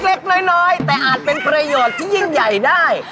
เล็กน้อยแต่อาจเป็นประโยชน์ที่ยิ่งใหญ่ได้